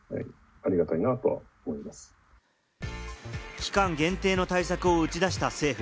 期間限定の対策を打ち出した政府。